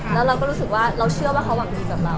แล้วเราก็รู้สึกว่าเราเชื่อว่าเขาหวังดีกับเรา